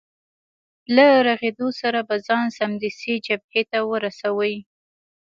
له رغېدو سره به ځان سمدستي جبهې ته ورسوې.